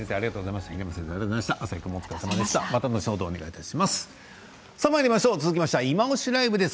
また後ほどお願いします。